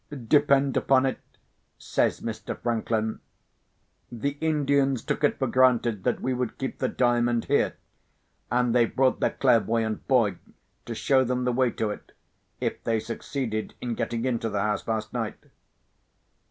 "Depend upon it," says Mr. Franklin, "the Indians took it for granted that we should keep the Diamond here; and they brought their clairvoyant boy to show them the way to it, if they succeeded in getting into the house last night."